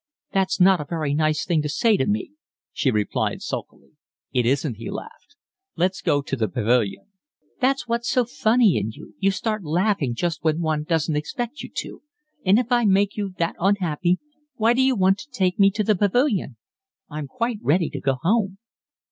"That's not a very nice thing to say to me," she replied sulkily. "It isn't," he laughed. "Let's go to the Pavilion." "That's what's so funny in you, you start laughing just when one doesn't expect you to. And if I make you that unhappy why d'you want to take me to the Pavilion? I'm quite ready to go home."